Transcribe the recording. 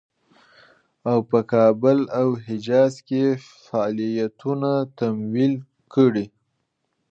او په کابل او حجاز کې فعالیتونه تمویل کړي.